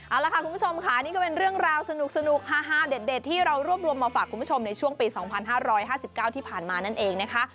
เอาละค่ะคุณผู้ชมค่ะนี่ก็เป็นเรื่องราวสนุกฮาเด็ดที่เรารวบรวมมาฝากคุณผู้ชมในช่วงปี๒๕๕๙ที่ผ่านมานั่นเองนะคะ